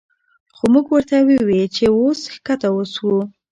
خو مونږ ورته ووې چې وس ښکته وڅښو